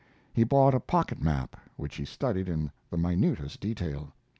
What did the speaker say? He bought a pocket map which he studied in the minutest detail.